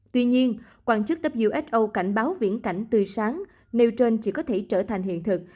tuy nhiên quan chức wilso cảnh báo viễn cảnh tươi sáng nêu trên chỉ có thể trở thành hiện thực